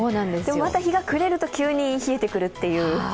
また、日が暮れると急に冷えてくるという。